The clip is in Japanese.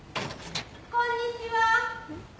こんにちは。